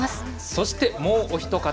そして、もうお一方。